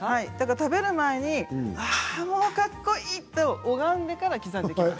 食べる前にかっこいいと拝んでから刻んでいきます。